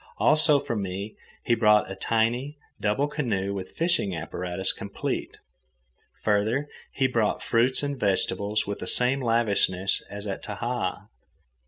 Also, for me he brought a tiny, double canoe with fishing apparatus complete. Further, he brought fruits and vegetables with the same lavishness as at Tahaa.